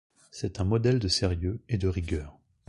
C'est un modèle de sérieux et de rigueur.